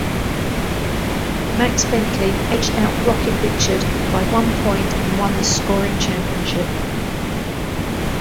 Max Bentley edged out Rocket Richard by one point and won the scoring championship.